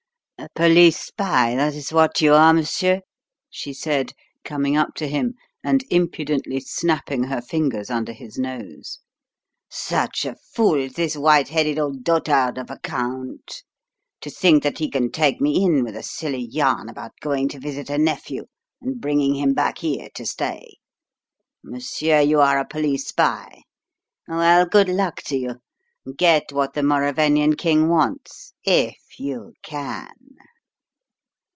"A police spy that is what you are, monsieur!" she said, coming up to him and impudently snapping her fingers under his nose. "Such a fool, this white headed old dotard of a Count, to think that he can take me in with a silly yarn about going to visit a nephew and bringing him back here to stay. Monsieur, you are a police spy. Well, good luck to you. Get what the Mauravanian king wants, if you can!"